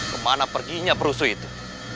kemana perginya perusuh itu